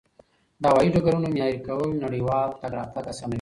د هوایي ډګرونو معیاري کول نړیوال تګ راتګ اسانوي.